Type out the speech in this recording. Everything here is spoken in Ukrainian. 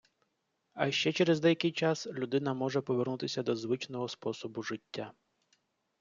А ще через деякий час людина може повернутися до звичного способу життя.